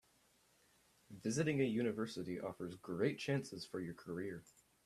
Visiting a university offers great chances for your career.